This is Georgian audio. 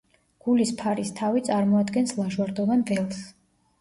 გულის ფარის თავი წარმოადგენს ლაჟვარდოვან ველს.